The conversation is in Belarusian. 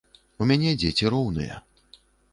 У мяне дзеці роўныя.